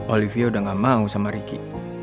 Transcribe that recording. olivia udah gak mau sama ricky